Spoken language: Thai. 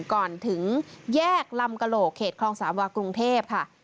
ก่อนถึงแยกลำกระโหลกเขตคลองสามวากรุงเทพค่ะ